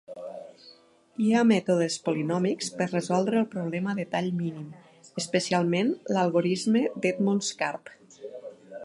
Hi ha mètodes polinòmics per resoldre el problema de tall mínim, especialment l'algorisme d'Edmonds-Karp.